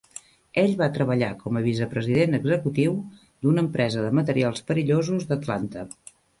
Ell va treballar com a vicepresident executiu d'una empresa de materials perillosos d'Atlanta.